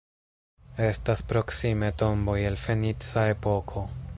Estas proksime tomboj el fenica epoko.